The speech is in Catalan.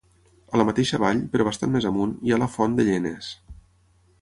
A la mateixa vall, però bastant més amunt, hi ha la Font de Llenes.